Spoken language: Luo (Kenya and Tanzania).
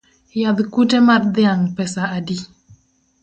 Yadh kute mar dhiang’ pesa adi?